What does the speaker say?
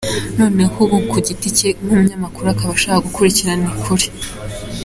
Noneho ubu ku giti cye nk’umunyamakuru akaba ashaka gukurikirana ukuri.